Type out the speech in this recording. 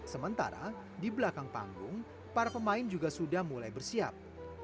sementara di belakang panggung para pemain juga sudah mulai bersiap